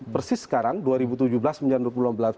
persis sekarang dua ribu tujuh belas menjadi dua ribu lima belas